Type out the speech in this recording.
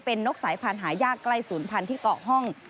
เป็นนกสายพันธุ์หายากใกล้ศูนย์พันธุ์ที่เกาะห้อง